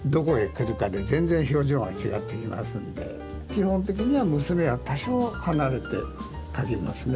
基本的には娘は多少離れて描きますね。